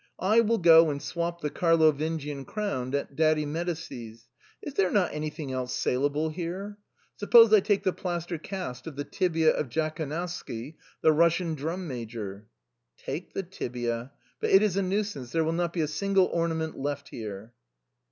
I will go and swap the Carlovingian crown at Daddy Medicis'. Is there not anything else saleable here ? Suppose I take the plaster cast of the tibia of Jaco nowski, the Eussian drum major." " Take the tibia. But it is a nuisance, there will not be a single ornament left here."